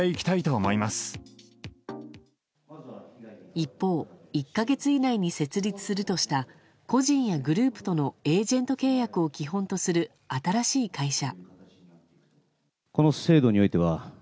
一方１か月以内に設立するとした個人やグループとのエージェント契約を基本とする新しい会社。